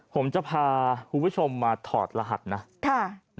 ผมจะพาคุณผู้ชมมาถอดรหัสนะ